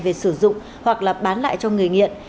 về sử dụng hoặc là bán lại cho người nghiện